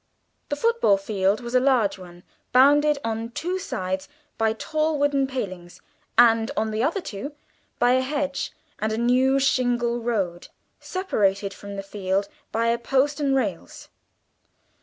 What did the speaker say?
The football field was a large one, bounded on two sides by tall wooden palings, and on the other two by a hedge and a new shingled road, separated from the field by a post and rails.